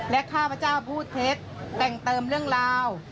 ข้าพเจ้าพูดเท็จแต่งเติมเรื่องราว